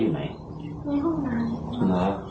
ในห้องน้ำ